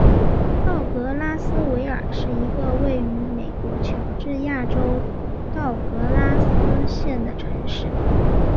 道格拉斯维尔是一个位于美国乔治亚州道格拉斯县的城市。